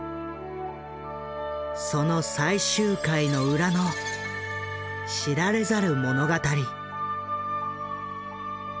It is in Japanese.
その最終回の裏の知られざる物語。